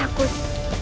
kami bukan orang jahat